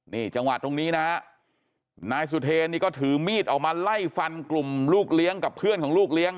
นี่จังหวะตรงนี้นะฮะนายสุเทรนี่ก็ถือมีดออกมาไล่ฟันกลุ่มลูกเลี้ยงกับเพื่อนของลูกเลี้ยง